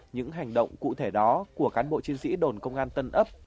những hành động cụ thể đó của cán bộ chiến sĩ đồn công an tân ấp